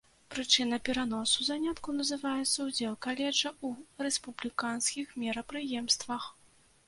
Прычына пераносу заняткаў называецца ўдзел каледжа ў рэспубліканскіх мерапрыемствах.